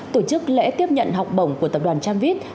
tổ chức lễ tiếp nhận học bổng của tập đoàn tramvit